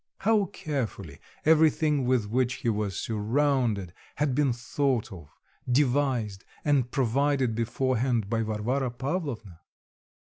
How carefully everything with which he was surrounded had been thought of, devised and provided beforehand by Varvara Pavlovna!